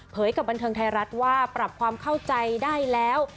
กับบันเทิงไทยรัฐว่าปรับความเข้าใจได้แล้ว